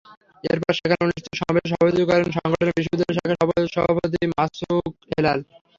এরপর সেখানে অনুষ্ঠিত সমাবেশে সভাপতিত্ব করেন সংগঠনের বিশ্ববিদ্যালয় শাখার সহসভাপতি মাসুক হেলাল।